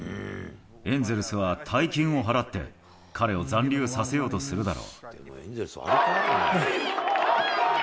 エンゼルスは大金を払って、彼を残留させようとするだろう。